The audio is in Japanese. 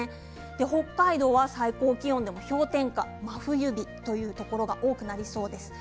北海道も最高気温でも氷点下真冬日というところが多くなりそうです。